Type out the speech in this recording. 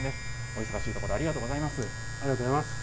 お忙しいところ、ありがとうござありがとうございます。